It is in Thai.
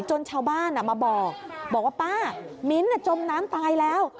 ชาวบ้านมาบอกบอกว่าป้ามิ้นท์จมน้ำตายแล้ว